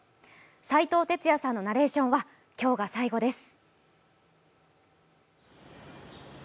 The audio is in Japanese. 斎藤哲也さんのナレーションは今日が最後です。